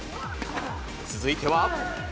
続いては。